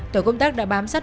tổ công tác đã bám sát